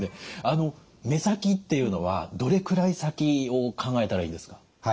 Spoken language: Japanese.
目先っていうのはどれくらい先を考えたらいいんですか？